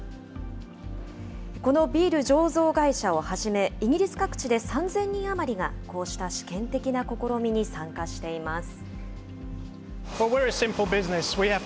このビール醸造会社をはじめ、イギリス各地で３０００人余りが、こうした試験的な試みに参加しています。